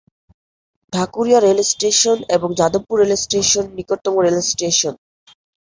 Dhakuria rail station এবং Jadavpur rail station নিকটতম rail station.